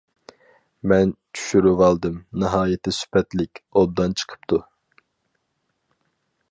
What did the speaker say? مەن چۈشۈرۈۋالدىم، ناھايىتى سۈپەتلىك، ئوبدان چىقىپتۇ.